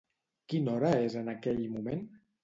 Quina hora és en aquell moment?